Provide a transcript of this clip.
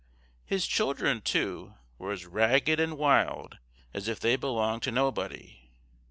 His children, too, were as ragged and wild as if they belonged to nobody.